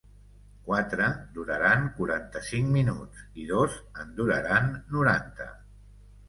Quatre duraran quaranta-cinc minuts i dos en duraran noranta.